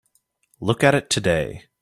Look at it today.